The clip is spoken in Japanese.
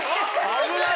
危ない